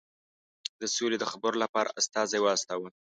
د سولي د خبرو لپاره استازی واستاوه.